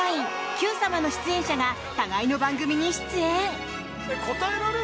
「Ｑさま！！」の出演者が互いの番組に出演。